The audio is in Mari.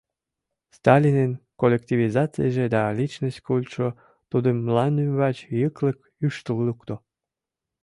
Сталинын коллективизацийже да личность культшо тудым мландӱмбач йыклык ӱштыл лукто.